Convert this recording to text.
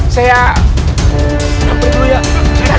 saya ikut si bapak ustadz